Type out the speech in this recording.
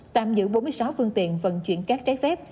tạm giữ bốn mươi sáu phương tiện vận chuyển cát trái phép